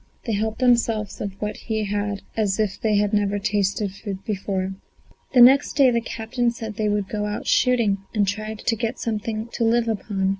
They helped themselves of what he had as if they had never tasted food before. The next day the captain said they would have to go out shooting and try to get something to live upon.